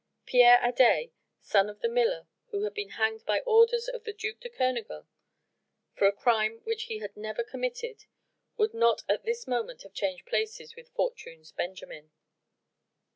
Pierre Adet son of the miller who had been hanged by orders of the Duc de Kernogan for a crime which he had never committed would not at this moment have changed places with Fortune's Benjamin.